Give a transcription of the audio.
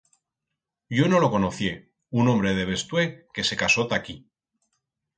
Yo no lo conocié, un hombre de Bestué que se casó ta aquí.